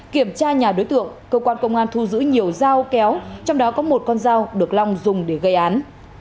kiểm tra nhà đối tượng công an tp vũng tàu thu giữ nhiều dao kéo trong đó có một con dao được long dùng để gây án